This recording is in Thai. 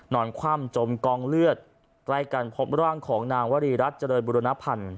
คว่ำจมกองเลือดใกล้กันพบร่างของนางวรีรัฐเจริญบุรณพันธ์